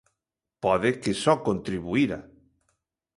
Pode que só contribuíra.